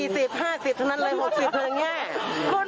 ๔๐๕๐เท่านั้นเลยหกสิบเท่าไหร่